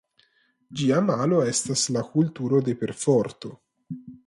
Ĝia malo estas la "kulturo de perforto".